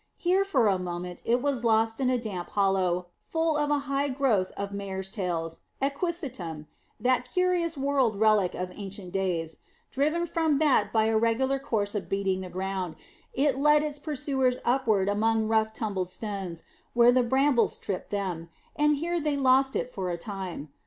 Here for a moment it was lost in a damp hollow full of a high growth of mares tail (equisetum), that curious whorled relic of ancient days; driven from that by a regular course of beating the ground, it led its pursuers upward among rough tumbled stones where the brambles tripped them, and here they lost it for a time.